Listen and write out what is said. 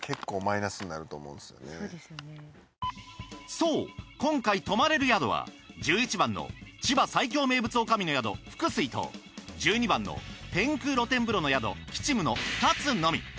そう今回泊まれる宿は１１番の千葉最強名物女将の宿福水と１２番の天空露天風呂の宿吉夢の２つのみ！